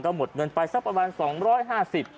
หมดเงินไปสักประมาณ๒๕๐บาท